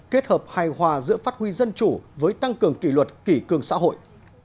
kết hợp hài hòa giữa phát huy dân chủ với tăng cường kỷ luật kỷ cường xã hội